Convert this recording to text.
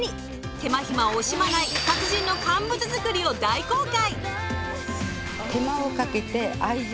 手間暇を惜しまない達人の乾物づくりを大公開。